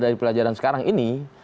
dari pelajaran sekarang ini